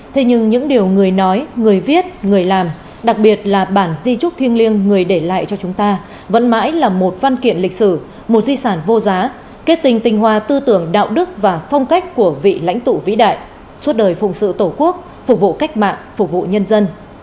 thế nhưng những điều người nói người viết người làm đặc biệt là bản di trúc thiêng liêng người để lại cho chúng ta vẫn mãi là một văn kiện lịch sử một di sản vô giá kết tình hòa tư tưởng đạo đức và phong cách của vị lãnh tụ vĩ đại suốt đời phụng sự tổ quốc phục vụ cách mạng phục vụ nhân dân